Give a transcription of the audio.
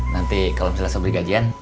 nanti kalau bisa saya beli gajian